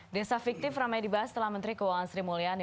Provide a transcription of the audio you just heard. desa fiktif ramai dibahas setelah menteri keuangan sri mulyani